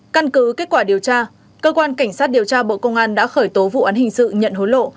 căn cứ kết quả điều tra cơ quan cảnh sát điều tra bộ công an đã khởi tố vụ án hình sự nhận hối lộ